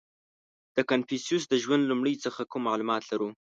• د کنفوسیوس د ژوند لومړیو څخه کم معلومات لرو.